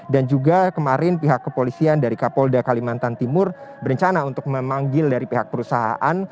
dan juga kemarin pihak kepolisian dari kapolda kalimantan timur berencana untuk memanggil dari pihak perusahaan